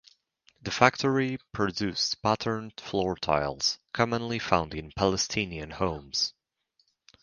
The factory produced patterned floor tiles commonly found in Palestinian homes.